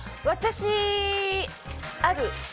私ある。